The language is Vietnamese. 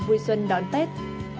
vui xuân đón tết